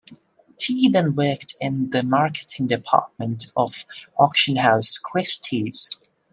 She then worked in the marketing department of auction house Christie's.